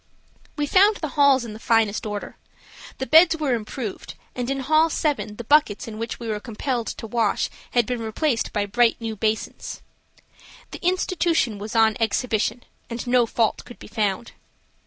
We found the halls in the finest order. The beds were improved, and in hall 7 the buckets in which we were compelled to wash had been replaced by bright new basins. The institution was on exhibition, and no fault could be found.